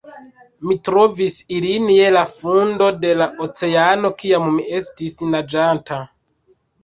Mi trovis ilin je la fundo de la oceano kiam mi estis naĝanta